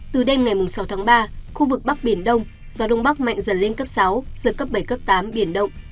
từ đêm ngày sáu tháng ba khu vực bắc biển đông gió đông bắc mạnh dần lên cấp sáu giật cấp bảy cấp tám biển động